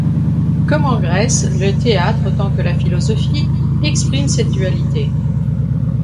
Comme en Grèce, le théâtre autant que la philosophie expriment cette dualité.